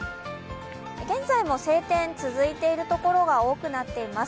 現在の晴天、続いているところが多くなっています。